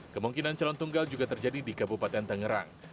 kemungkinan calon tunggal juga terjadi di kabupaten tangerang